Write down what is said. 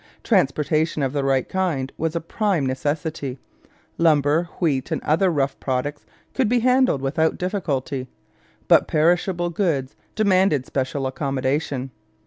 Transportation of the right kind was a prime necessity. Lumber, wheat, and other rough products could be handled without difficulty, but perishable goods demanded special accommodation.